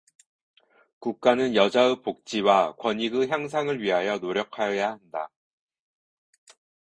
국가는 여자의 복지와 권익의 향상을 위하여 노력하여야 한다.